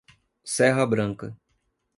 Serra Branca